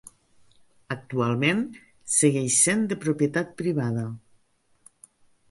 Actualment segueix sent de propietat privada.